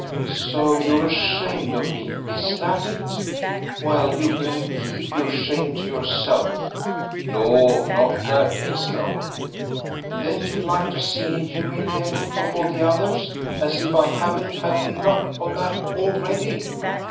"So you're ashamed of me, is that it? Well, you can keep your shame to yourself." "No, not that, Esther " "Then you'd like to see me humiliated before the others, as if I haven't had enough of that already."